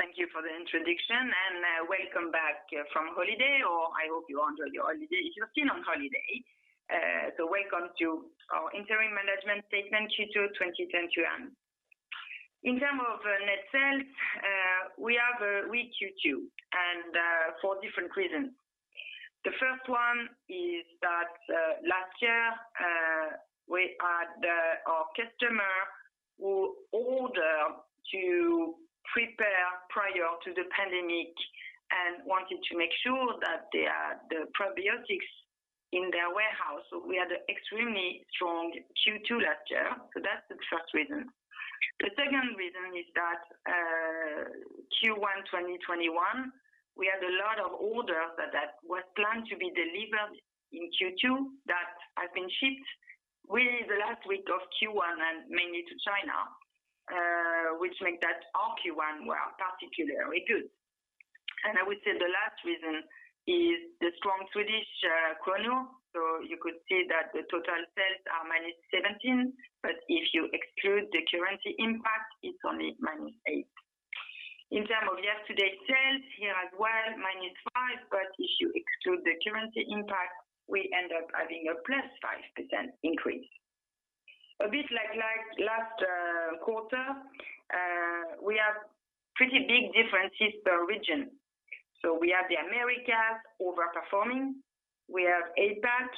Thank you for the introduction, and welcome back from holiday, or I hope you enjoy your holiday if you're still on holiday. Welcome to our interim management statement Q2 2021. In terms of net sales, we have a weak Q2 and for different reasons. The first one is that last year, our customer who order to prepare prior to the pandemic and wanted to make sure that the probiotics in their warehouse. We had an extremely strong Q2 last year, so that's the first reason. The second reason is that Q1 2021, we had a lot of orders that was planned to be delivered in Q2 that have been shipped within the last week of Q1 and mainly to China, which make that our Q1 were particularly good. I would say the last reason is the strong Swedish krona. You could see that the total sales are -17%, but if you exclude the currency impact, it's only -8%. In term of year-to-date sales, here as well, -5%, but if you exclude the currency impact, we end up having a +5% increase. A bit like last quarter, we have pretty big differences per region. We have the Americas over-performing. We have APAC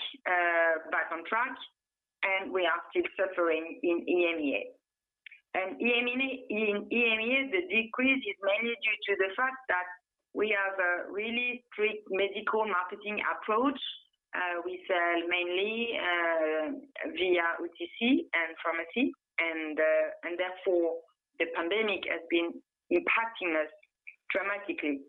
back on track, and we are still suffering in EMEA. In EMEA, the decrease is mainly due to the fact that we have a really strict medical marketing approach. We sell mainly via OTC and pharmacy, and therefore the pandemic has been impacting us dramatically.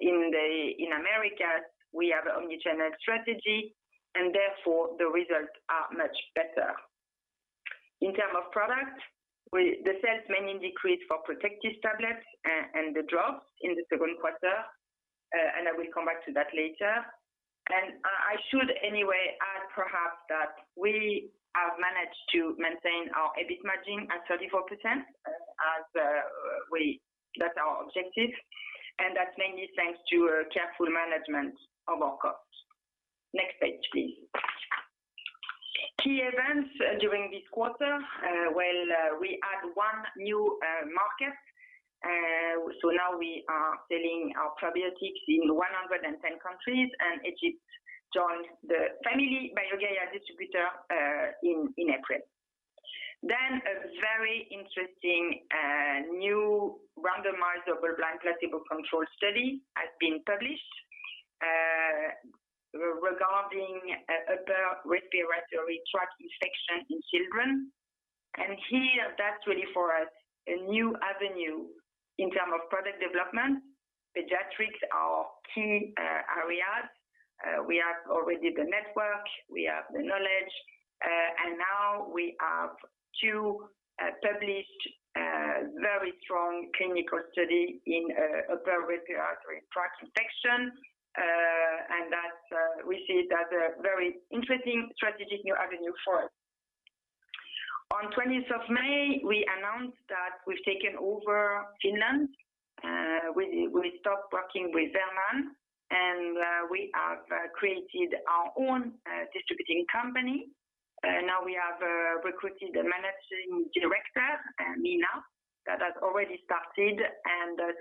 In the Americas, we have an omni-channel strategy and therefore the results are much better. In terms of product, the sales mainly decreased for Protectis tablets and the drops in the second quarter. I will come back to that later. I should anyway add perhaps that we have managed to maintain our EBIT margin at 34% as that's our objective, and that's mainly thanks to careful management of our cost. Next page, please. Key events during this quarter, well, we add one new market. Now we are selling our probiotics in 110 countries, and Egypt joined the family BioGaia distributor in April. A very interesting new randomized double-blind placebo-controlled study has been published regarding upper respiratory tract infection in children. Here that's really for us a new avenue in terms of product development. Pediatrics are key areas. We have already the network, we have the knowledge, and now we have two published very strong clinical study in upper respiratory tract infection. That we see as a very interesting strategic new avenue for us. On May 20th, we announced that we've taken over Finland. We stopped working with Verman, and we have created our own distributing company. We have recruited a managing director, Minna Tähtinen, that has already started.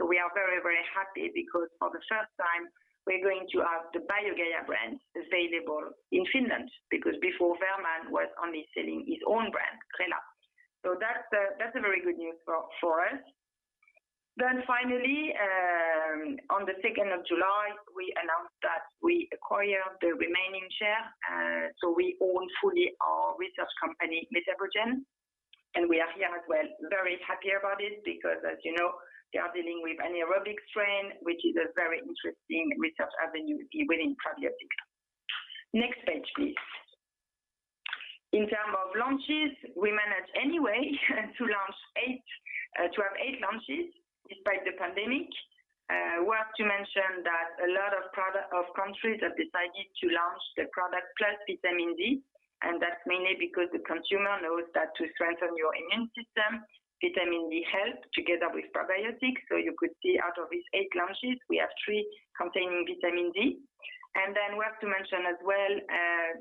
We are very happy because for the first time, we're going to have the BioGaia brand available in Finland because before Verman was only selling his own brand, Rela. That's a very good news for us. Finally, on the July 2nd, we announced that we acquired the remaining share. We own fully our research company, MetaboGen, and we are here as well, very happy about it because as you know, they are dealing with anaerobic strain, which is a very interesting research avenue within probiotics. Next page, please. In term of launches, we managed anyway to have 8 launches despite the pandemic. We have to mention that a lot of countries have decided to launch the product plus vitamin D, and that's mainly because the consumer knows that to strengthen your immune system, vitamin D help together with probiotics. You could see out of these eight launches, we have three containing vitamin D. We have to mention as well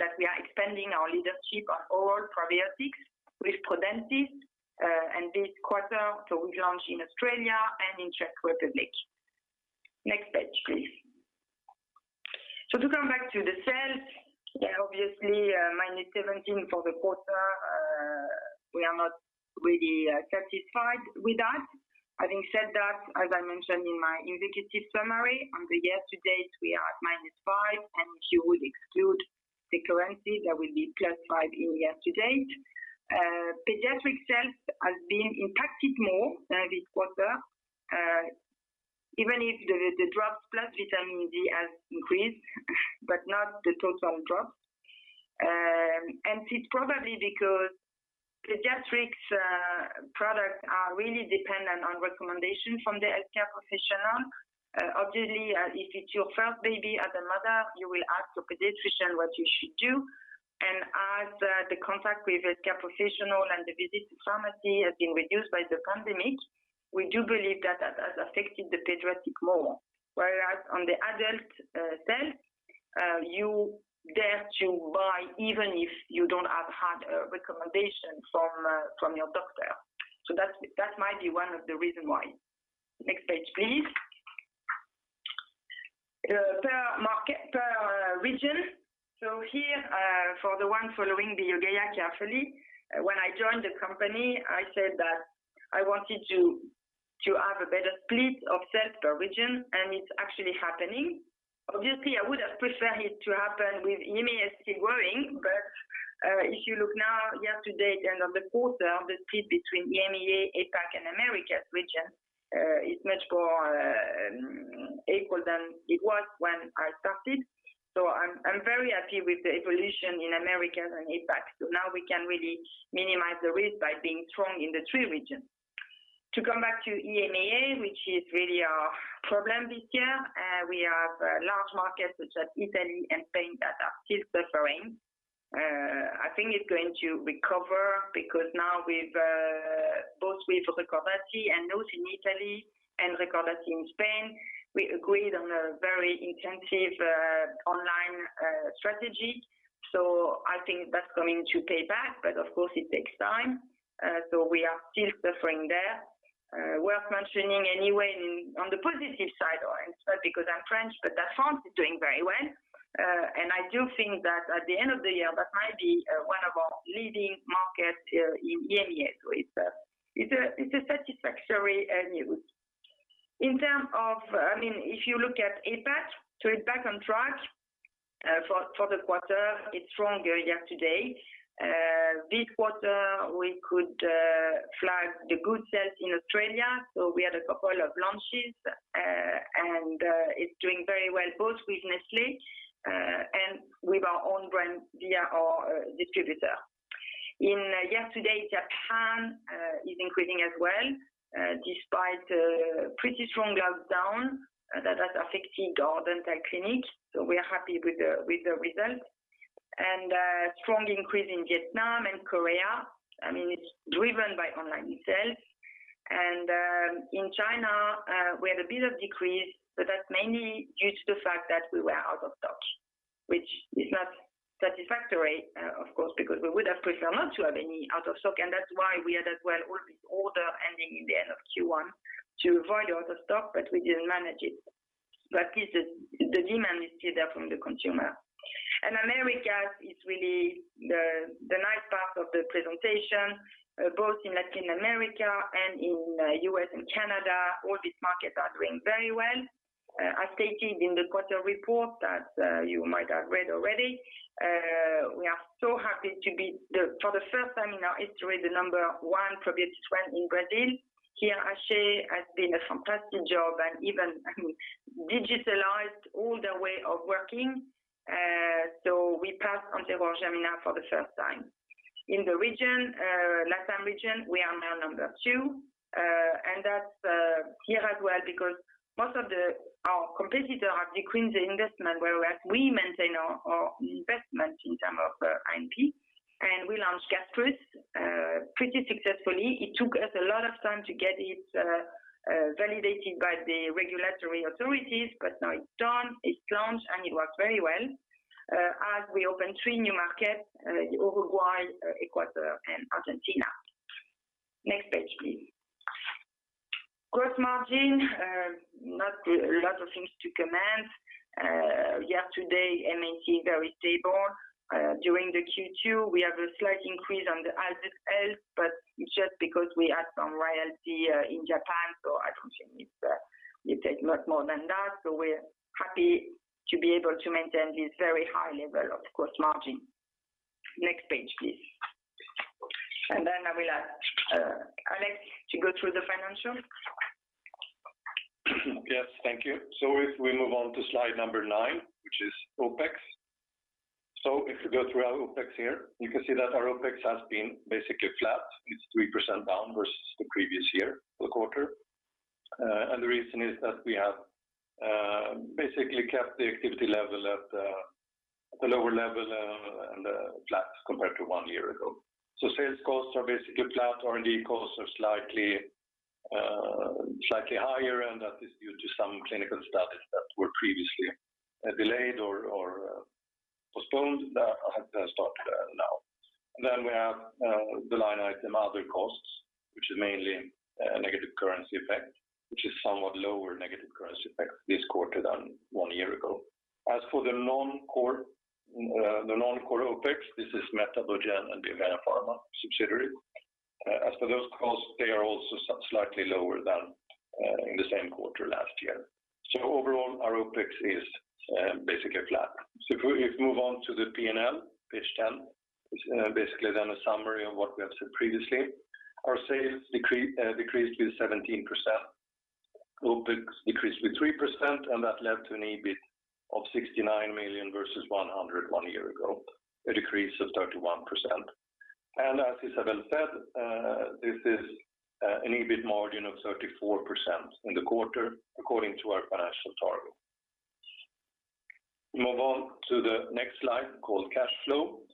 that we are expanding our leadership on all probiotics with Prodentis, and this quarter, so we launch in Australia and in Czech Republic. Next page, please. To come back to the sales, obviously -17% for the quarter, we are not really satisfied with that. Having said that, as I mentioned in my indicative summary on the year-to-date we are at -5%, and if you would exclude the currency, that will be +5% in year-to-date. Pediatric sales has been impacted more this quarter even if the drops plus vitamin D has increased, but not the total drops. It's probably because pediatrics product are really dependent on recommendation from the healthcare professional. Obviously, if it's your first baby as a mother, you will ask your pediatrician what you should do. As the contact with the healthcare professional and the visit to pharmacy has been reduced by the pandemic, we do believe that has affected the pediatric more. Whereas on the adult self, you dare to buy even if you don't have had a recommendation from your doctor. That might be one of the reason why. Next page, please. Per region, here, for the one following the BioGaia carefully, when I joined the company, I said that I wanted to have a better split of sales per region, it's actually happening. Obviously, I would have preferred it to happen with EMEA still growing, if you look now year to date end of the quarter, the split between EMEA, APAC, and Americas region, it's much more equal than it was when I started. I'm very happy with the evolution in Americas and APAC. Now we can really minimize the risk by being strong in the three regions. To come back to EMEA, which is really our problem this year, we have large markets such as Italy and Spain that are still suffering. I think it's going to recover because now both with Recordati and Noos in Italy and Recordati in Spain, we agreed on a very intensive online strategy. I think that's going to pay back, but of course, it takes time. We are still suffering there. Worth mentioning anyway on the positive side, or in part because I'm French, but that France is doing very well. I do think that at the end of the year, that might be one of our leading markets in EMEA. It's a satisfactory news. In terms of, if you look at APAC, it's back on track for the quarter. It's stronger year to date. This quarter, we could flag the good sales in Australia. We had a couple of launches, and it's doing very well both with Nestlé, and with our own brand via our distributor. In year to date, Japan is increasing as well, despite a pretty strong lockdown that has affected oral dental clinics. We are happy with the result. A strong increase in Vietnam and Korea. It's driven by online sales. In China, we had a bit of decrease, but that's mainly due to the fact that we were out of stock, which is not satisfactory, of course, because we would have preferred not to have any out of stock. That's why we had as well all this order ending in the end of Q1 to avoid out of stock, but we didn't manage it. At least the demand is still there from the consumer. Americas is really the nice part of the presentation, both in Latin America and in U.S. and Canada, all these markets are doing very well. As stated in the quarter report that you might have read already, we are so happy to be, for the first time in our history, the number one probiotic strain in Brazil. Here, Aché has been a fantastic job and even digitalized all the way of working. We passed Enterogermina for the first time. In the region, LATAM region, we are now number two, and that's here as well because most of our competitor have decreased the investment, whereas we maintain our investment in term of R&D, and we launched Gastrus pretty successfully. It took us a lot of time to get it validated by the regulatory authorities, but now it's done, it's launched, and it works very well as we open three new markets, Uruguay, Ecuador, and Argentina. Next page, please. Gross margin, not a lot of things to comment. Year to date, maintaining very stable. During the Q2, we have a slight increase on the asset sales, but it's just because we had some royalty in Japan, I don't think it takes much more than that. We're happy to be able to maintain this very high level of gross margin. Next page, please. Then I will ask Alexander to go through the financial. Yes. Thank you. If we move on to slide number nine, which is OpEx. If you go through our OpEx here, you can see that our OpEx has been basically flat. It's 3% down versus the previous year for the quarter. The reason is that we have basically kept the activity level at the lower level and flat compared to one year ago. Sales costs are basically flat. R&D costs are slightly higher, and that is due to some clinical studies that were previously delayed or postponed that have started now. Then we have the line item other costs, which is mainly a negative currency effect, which is somewhat lower negative currency effect this quarter than one year ago. As for the non-core OpEx, this is MetaboGen and Pharma subsidiary. As for those costs, they are also slightly lower than in the same quarter last year. Overall, our OpEx is basically flat. If we move on to the P&L, page 10, is basically then a summary of what we have said previously. Our sales decreased with 17%. OpEx decreased with 3%, and that led to an EBIT of 69 million versus 100 million one year ago, a decrease of 31%. As Isabelle said, this is an EBIT margin of 34% in the quarter according to our financial target. Move on to the next slide called cash flow.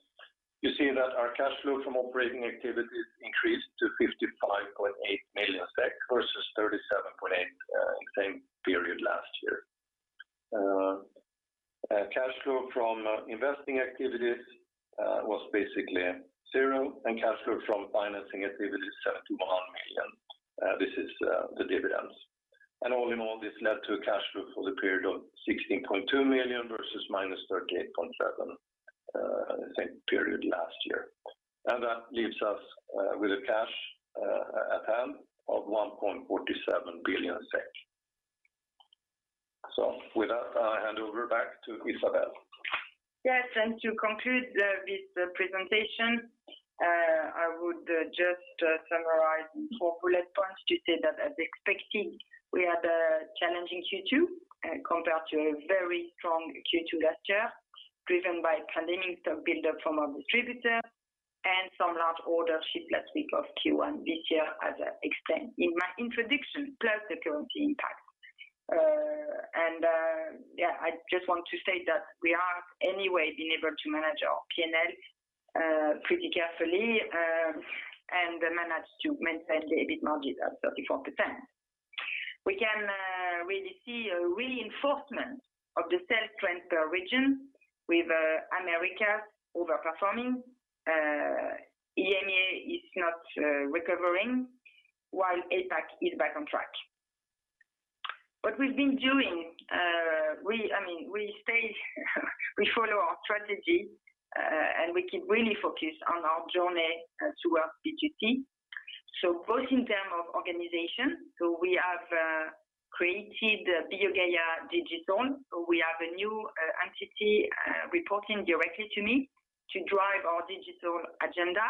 You see that our cash flow from operating activities increased to 55.8 million SEK versus 37.8 in the same period last year. Cash flow from investing activities was basically zero, and cash flow from financing activities set to 1 million. This is the dividends. All in all, this led to a cash flow for the period of 16.2 million versus -38.7 million in the same period last year. That leaves us with a cash at hand of 1.47 billion SEK. With that, I hand over back to Isabelle. Yes, to conclude with the presentation, I would just summarize in four bullet points to say that as expected, we had a challenging Q2 compared to a very strong Q2 last year, driven by pandemic stock buildup from our distributor and some large orders shipped last week of Q1 this year as extended in my introduction, plus the currency impact. I just want to say that we are anyway being able to manage our P&L pretty carefully, and managed to maintain the EBIT margin at 34%. We can really see a reinforcement of the sales trend per region with America over-performing. EMEA is not recovering while APAC is back on track. What we've been doing, we follow our strategy, and we keep really focused on our journey towards B2C. Both in terms of organization, we have created the BioGaia DigiZone. We have a new entity reporting directly to me to drive our digital agenda,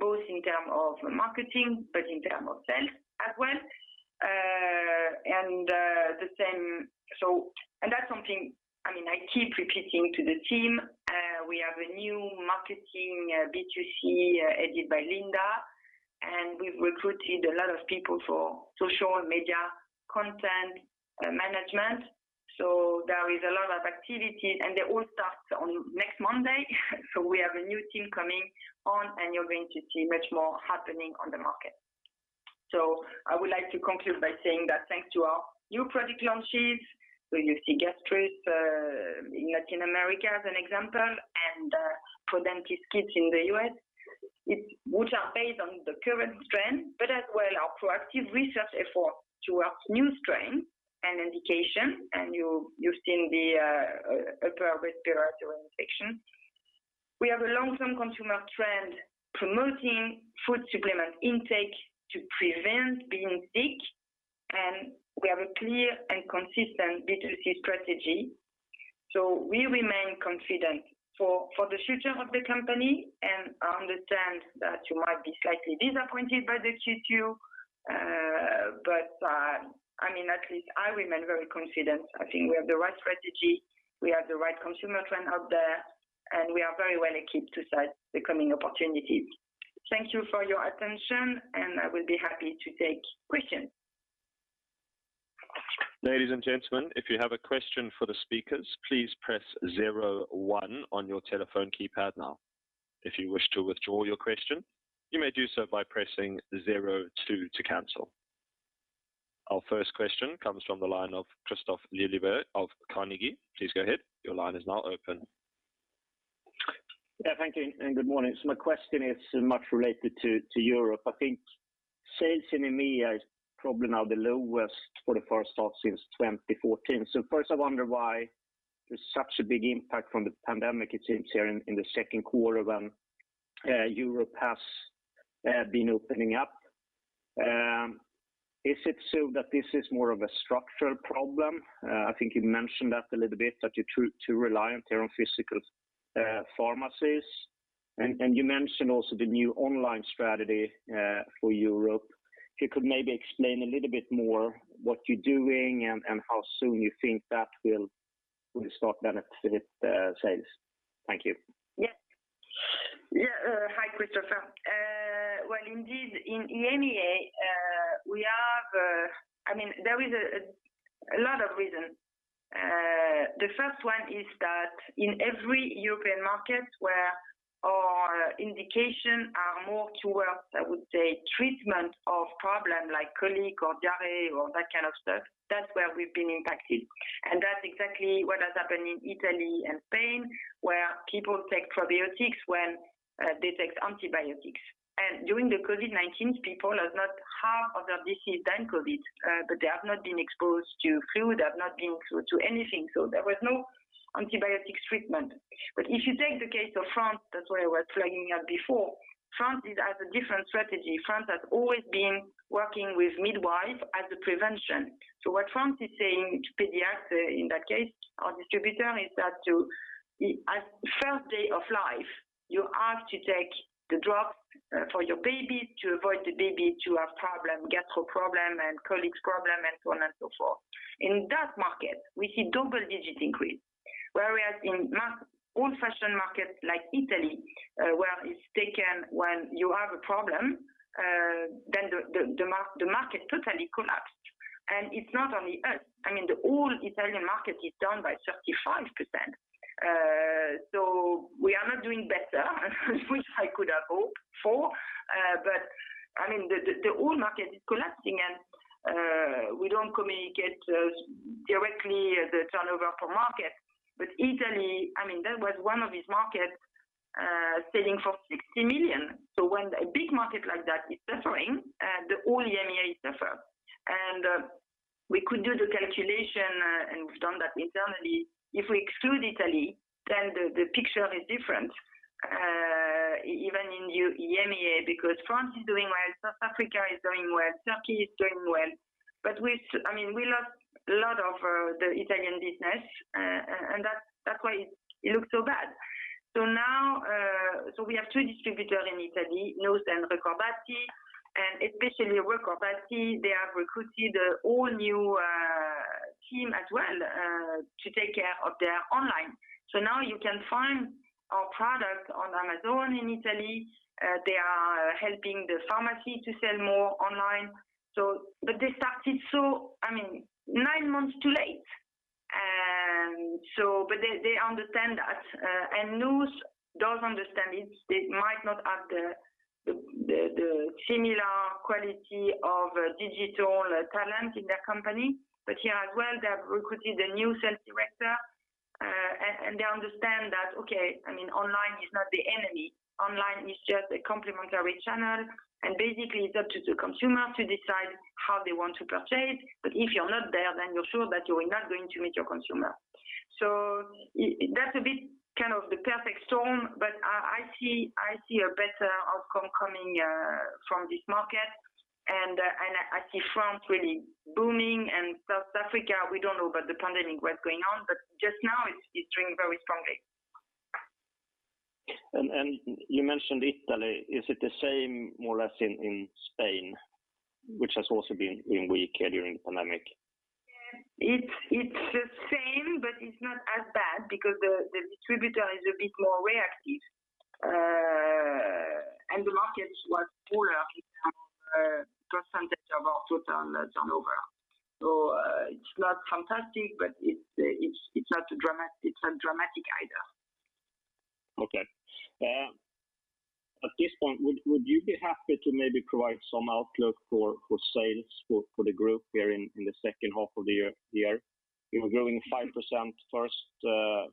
both in terms of marketing but in terms of sales as well. That's something I keep repeating to the team. We have a new marketing B2C headed by Linda, and we've recruited a lot of people for social media content management. There is a lot of activity, and they all start on next Monday. We have a new team coming on, and you're going to see much more happening on the market. I would like to conclude by saying that thanks to our new product launches, so you see Gastrus in Latin America as an example, and Prodentis Kids in the U.S., which are based on the current strength, but as well our proactive research effort towards new strain and indication, and you've seen the upper respiratory tract infection. We have a long-term consumer trend promoting food supplement intake to prevent being sick. We have a clear and consistent B2C strategy. We remain confident for the future of the company. I understand that you might be slightly disappointed by the Q2. At least I remain very confident. I think we have the right strategy, we have the right consumer trend out there. We are very well equipped to seize the coming opportunities. Thank you for your attention. I will be happy to take questions. Ladies and gentlemen, if you have a question for the speakers, please press zero one on your telephone keypad now. If you wish to withdraw your question, you may do so by pressing zero two to cancel. Our first question comes from the line of Kristofer Liljeberg of Carnegie. Please go ahead. Your line is now open. Yeah, thank you and good morning. My question is much related to Europe. I think sales in EMEA is probably now the lowest for the first half since 2014. First, I wonder why there's such a big impact from the pandemic it seems here in the second quarter when Europe has been opening up. Is it so that this is more of a structural problem? I think you've mentioned that a little bit, that you're too reliant here on physical pharmacies. You mentioned also the new online strategy for Europe. If you could maybe explain a little bit more what you're doing and how soon you think that will start to benefit sales. Thank you. Yeah. Hi, Kristofer. Well, indeed, in EMEA, there is a lot of reasons. The first one is that in every European market where our indication are more towards, I would say, treatment of problem like colic or diarrhea or that kind of stuff, that's where we've been impacted. That's exactly what has happened in Italy and Spain, where people take probiotics when they take antibiotics. During the COVID-19, people have half of their disease than COVID, but they have not been exposed to flu, they've not been exposed to anything. There was no antibiotics treatment. If you take the case of France, that's why I was flagging up before, France has a different strategy. France has always been working with midwives as a prevention. What France is saying to pediatric, in that case, our distributor, is that at first day of life you have to take the drugs for your baby, to avoid the baby to have problem, gastro problem, and colic problem and so on and so forth. In that market, we see double-digit increase. Whereas in old-fashioned markets like Italy, where it's taken when you have a problem, the market totally collapsed. It's not only us, the whole Italian market is down by 35%. We are not doing better, which I could have hoped for. The whole market is collapsing and we don't communicate directly the turnover for market. Italy, that was one of its markets selling for 60 million. When a big market like that is suffering, the whole EMEA suffers. We could do the calculation, and we've done that internally. If we exclude Italy, then the picture is different, even in EMEA because France is doing well, South Africa is doing well, Turkey is doing well. We lost a lot of the Italian business, and that's why it looks so bad. We have two distributors in Italy, Noos and Recordati, and especially Recordati, they have recruited a whole new team as well, to take care of their online. Now you can find our product on Amazon in Italy. They are helping the pharmacy to sell more online. They started nine months too late. They understand that, and Noos does understand it. They might not have the similar quality of digital talent in their company, but here as well, they have recruited a new sales director, and they understand that, okay, online is not the enemy. Online is just a complementary channel, and basically, it's up to the consumer to decide how they want to purchase. If you're not there, then you're sure that you are not going to meet your consumer. That's a bit kind of the perfect storm, but I see a better outcome coming from this market, and I see France really booming and South Africa, we don't know about the pandemic what's going on, but just now it's doing very strongly. You mentioned Italy, is it the same more or less in Spain, which has also been weak during the pandemic? It's the same, but it's not as bad because the distributor is a bit more reactive. The market was poorer in terms of percentage of our total turnover. It's not fantastic, but it's not dramatic either. At this point, would you be happy to maybe provide some outlook for sales for the group here in the second half of the year? You were growing 5% first half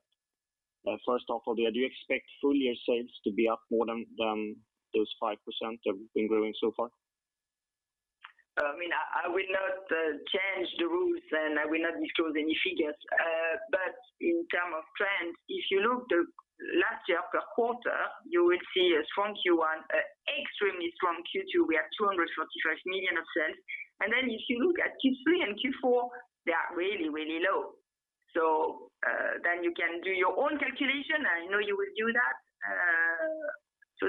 of the year. Do you expect full-year sales to be up more than those 5% that we've been growing so far? I will not change the rules, and I will not disclose any figures. In terms of trends, if you look the last year per quarter, you will see a strong Q1, extremely strong Q2. We had 245 million of sales. If you look at Q3 and Q4, they are really, really low. You can do your own calculation, and I know you will do that.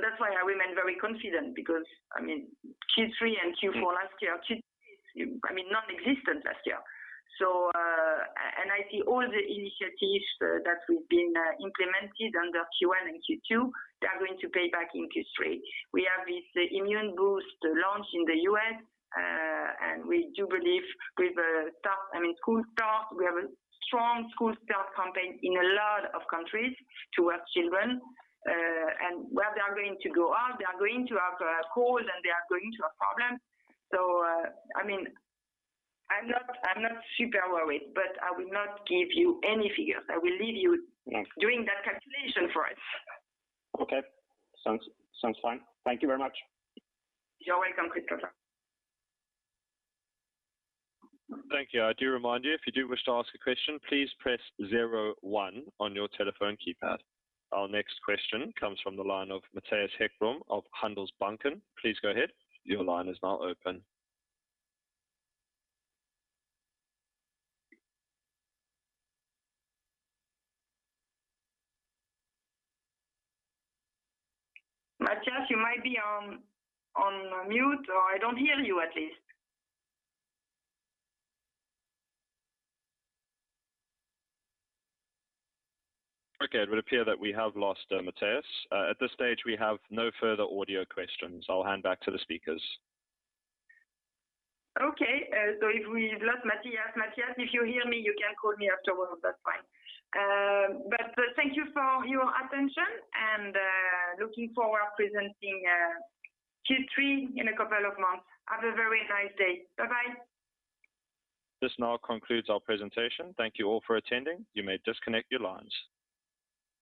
That's why I remain very confident because Q3 and Q4 last year, Q3 is nonexistent last year. I see all the initiatives that we've been implementing under Q1 and Q2, they are going to pay back in Q3. We have this Immune Boost launch in the U.S. We do believe with school start, we have a strong school start campaign in a lot of countries towards children. Where they are going to go out, they are going to have a cold, they are going to have problems. I'm not super worried. I will not give you any figures. Yes I will leave you doing that calculation for us. Okay. Sounds fine. Thank you very much. You're welcome, Kristofer. Thank you. I do remind you, if you do wish to ask a question, please press zero one on your telephone keypad. Our next question comes from the line of Mattias Häggblom of Handelsbanken. Mattias, you might be on mute, or I don't hear you at least. Okay. It would appear that we have lost Mattias. At this stage, we have no further audio questions. I'll hand back to the speakers. If we've lost Mattias, if you hear me, you can call me afterwards. That's fine. Thank you for your attention, and looking forward presenting Q3 in a couple of months. Have a very nice day. Bye-bye. This now concludes our presentation. Thank you all for attending. You may disconnect your lines.